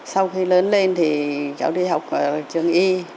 sau khi lớn lên thì cháu đi học ở trường y